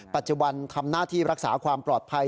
ปัจจุบันทำหน้าที่รักษาความปลอดภัย